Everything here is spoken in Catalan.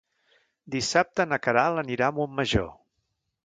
Dissabte na Queralt anirà a Montmajor.